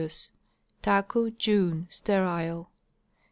Taku, June. Sterile.